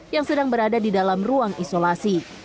yang sedang berada di dalam ruang isolasi